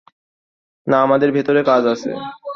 না, আমাদের ভেতরে কাজ আছে।